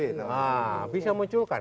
nah bisa munculkan